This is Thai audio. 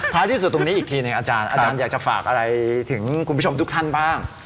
ท้ายที่สุดตรงนี้อีกทีหนึ่งอาจารย์อยากจะฝากอะไรถึงคุณผู้ชมทุกท่านบ้าง